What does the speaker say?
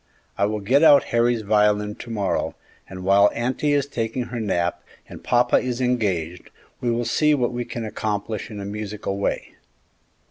I will get out Harry's violin to morrow, and while auntie is taking her nap and papa is engaged, we will see what we can accomplish in a musical way."